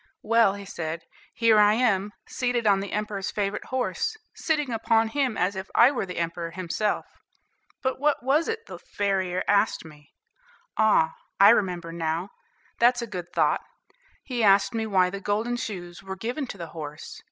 "Well," he said, "here I am, seated on the emperor's favorite horse, sitting upon him as if I were the emperor himself. But what was it the farrier asked me? Ah, I remember now, that's a good thought, he asked me why the golden shoes were given to the horse.